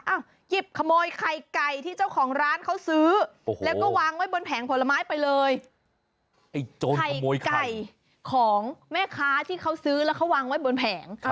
เอ้าหยิบขโมยไข่ไก่ที่เจ้าของร้านเค้าซื้อ